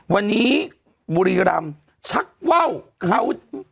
วันนี้บุรีรำชักว่าวเขา